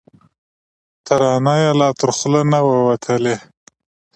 ترانه یې لا تر خوله نه وه وتلې